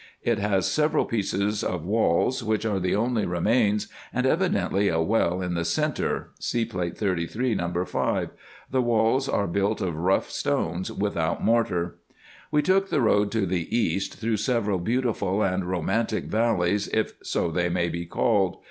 It has several pieces of walls, which are the only remains, and evidently a well in the centre (See Plate 33, No. 5). The walls are built of rough stones without mortar. We took the road to the east through several beautiful and romantic valleys, if so they may be called.